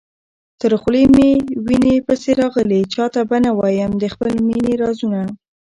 تر خولې مي وېني پسي راغلې، چاته به نه وايم د خپل مېني رازونه